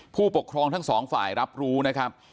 ผู้ปกครองทั้งสองฝ่ายรับรู้นะครับ